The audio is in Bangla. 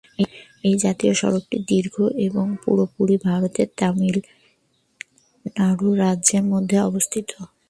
এই জাতীয় সড়কটি দীর্ঘ এবং পুরোপুরি ভারতের তামিলনাড়ু রাজ্যের মধ্যে অবস্থিত।